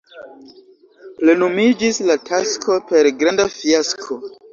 Plenumiĝis la tasko per granda fiasko.